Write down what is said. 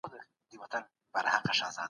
دروغ ډېر عمر نه لري.